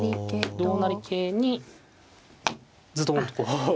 同成桂にズドンとこう。